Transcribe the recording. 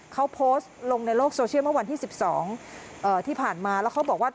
เขาโพสต์ลงในโลกโซเชียลเมื่อวันที่๑๒ที่ผ่านมาแล้วเขาบอกว่า